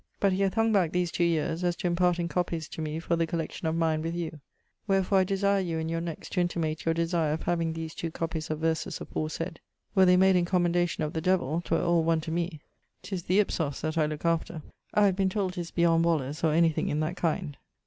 But he hath hung back these two yeares, as to imparting copies to me for the collection of mine with you. Wherfore I desire you in your next to intimate your desire of having these two copies of verses aforesayd. Were they made in commendation of the devill, 'twere all one to me: 'tis the ὕψος that I looke after. I have been told 'tis beyond Waller's or anything in that kind.